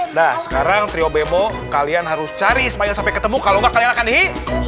nah sekarang trio bemo kalian harus cari supaya sampai ketemu kalau enggak kalian akan dihi